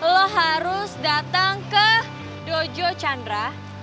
lo harus datang ke dojo chandra